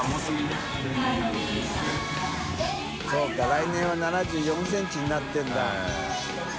来年は７４ｃｍになってるんだ。